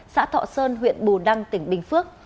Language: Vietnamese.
xã thọ sơn huyện bù đăng tỉnh bình phước